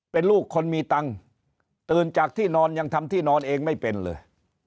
เป็นลูกคนมีตังค์ตื่นจากที่นอนยังทำที่นอนเองไม่เป็นเลย